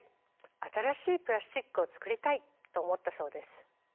新しいプラスチックを作りたい」と思ったそうです。